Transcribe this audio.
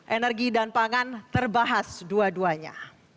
energi dan pangan terbahas dua duanya